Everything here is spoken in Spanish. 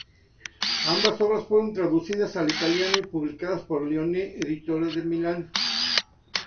Ambas obras fueron traducidas al italiano y publicadas por Leone Editore, de Milán.